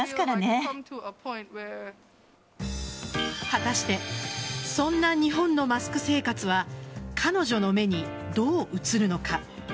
果たしてそんな日本のマスク生活は彼女の目にどう映るのか。